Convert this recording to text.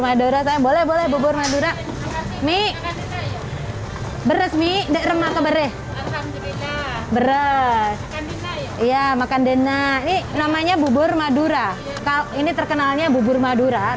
madura saya boleh boleh bubur madura mi beres mi remak beres beres iya makan dena namanya bubur madura